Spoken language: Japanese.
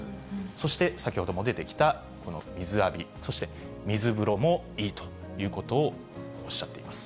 そして先ほども出てきた、この水浴び、そして水風呂もいいということをおっしゃっています。